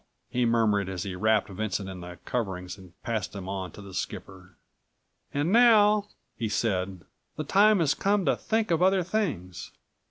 he murmured as he wrapped Vincent in the coverings and passed him on to the skipper. "And now," he said, "the time has come to think of other things.